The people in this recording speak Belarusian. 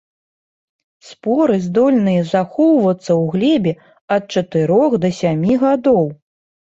Споры здольныя захоўвацца ў глебе ад чатырох да сямі гадоў.